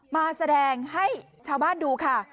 มาแสดงให้ชาวบ้านดูค่ะ